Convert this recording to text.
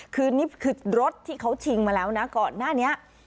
คือนี่คือรถที่เขาชิงมาแล้วนะก่อนหน้านี้